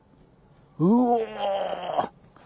うお！